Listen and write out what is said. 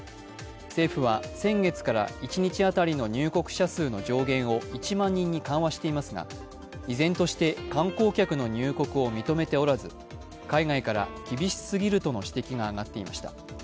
政府は先月から一日当たりの入国者数の上限を１万人に緩和していますが、依然として観光客の入国を認めておらず、海外から厳しすぎるとの指摘があがっていました。